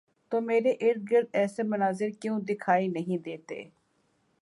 تو میرے ارد گرد ایسے مناظر کیوں دکھائی نہیں دیتے؟